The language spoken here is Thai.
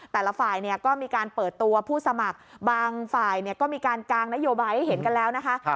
แต่ละฝ่ายก็มีการเปิดตัวผู้สมัครบางฝ่ายก็มีการกางนโยบายให้เห็นกันแล้วนะคะ